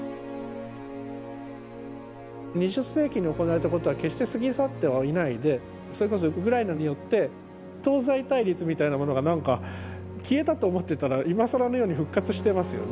２０世紀に行われたことは決して過ぎ去ってはいないでそれこそウクライナによって東西対立みたいなものが何か消えたと思ってたら今更のように復活してますよね。